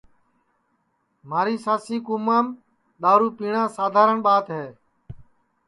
مھاری سانسی کُومام دؔارو پیٹؔا سادھارن ٻات ہے